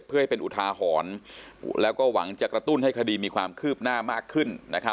เพื่อให้เป็นอุทาหรณ์แล้วก็หวังจะกระตุ้นให้คดีมีความคืบหน้ามากขึ้น